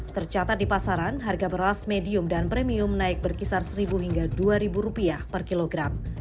tercatat di pasaran harga beras medium dan premium naik berkisar rp satu hingga rp dua per kilogram